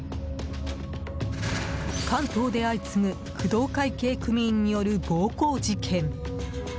関東で相次ぐ工藤会系組員による暴行事件。